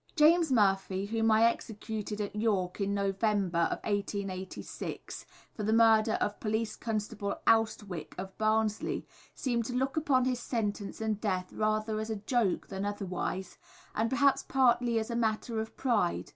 James Murphy, whom I executed at York, in November of 1886, for the murder of police constable Austwick, of Barnsley, seemed to look upon his sentence and death rather as a joke than otherwise, and perhaps partly as a matter of pride.